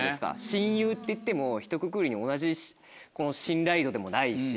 親友っていってもひとくくりに同じ信頼度でもないし。